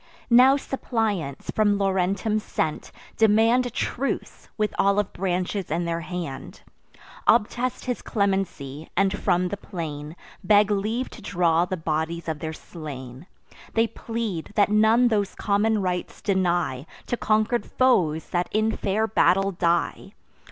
Now suppliants, from Laurentum sent, demand A truce, with olive branches in their hand; Obtest his clemency, and from the plain Beg leave to draw the bodies of their slain. They plead, that none those common rites deny To conquer'd foes that in fair battle die.